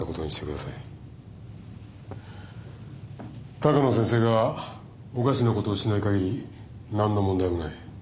鷹野先生がおかしなことをしない限り何の問題もない。